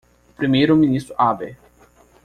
Primeiro ministro Abe.